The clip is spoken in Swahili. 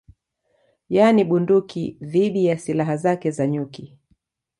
Yaani bunduki dhidi ya silaha zake za nyuki